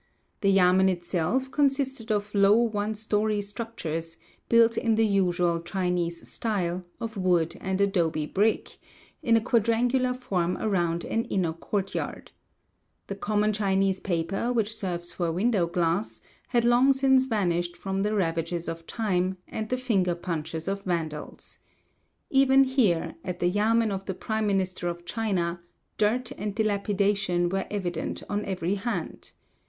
The yamen itself consisted of low one story structures, built in the usual Chinese style, of wood and adobe brick, in a quadrangular form around an inner courtyard. VI 199 The common Chinese paper which serves for window glass had long since vanished from the ravages of time, and the finger punches of vandals. Even here, at the yamen of the prime minister of China, dirt and dilapidation were evident on every hand.